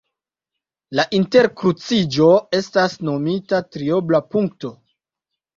La interkruciĝo estas nomita triobla punkto.